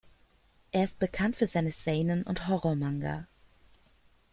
Er ist bekannt für seine Seinen- und Horror-Manga.